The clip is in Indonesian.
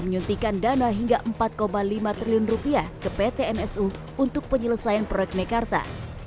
menyuntikan dana hingga empat lima triliun rupiah ke pt msu untuk penyelesaian proyek mekarta